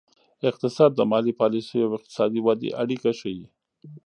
اقتصاد د مالي پالیسیو او اقتصادي ودې اړیکه ښيي.